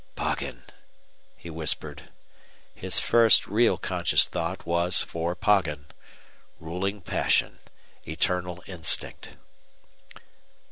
"Poggin!" he whispered. His first real conscious thought was for Poggin. Ruling passion eternal instinct!